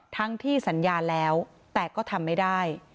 ทั้งที่สัญญาแล้วแต่ก็ทำไม่ได้